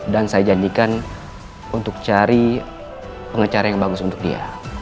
dan saya janjikan untuk cari pengecara yang bagus untuk dia